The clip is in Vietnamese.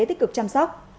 tích cực chăm sóc